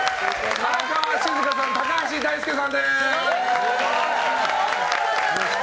荒川静香さん、高橋大輔さんです。